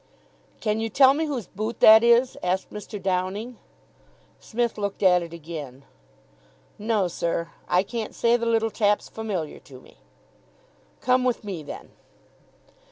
"Can you tell me whose boot that is?" asked Mr. Downing. Psmith looked at it again. "No, sir. I can't say the little chap's familiar to me." "Come with me, then."